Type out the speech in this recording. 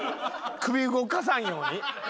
首動かさんように？